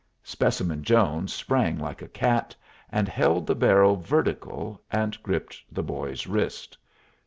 Specimen Jones sprang like a cat, and held the barrel vertical and gripped the boy's wrist.